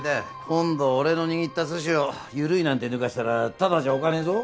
今度俺の握った寿司を緩いなんてぬかしたらただじゃおかねえぞ。